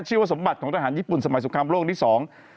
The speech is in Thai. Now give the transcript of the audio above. ชื่อว่าสมบัติของทหารญี่ปุ่นสมัยสุขภาพโลกที่สอง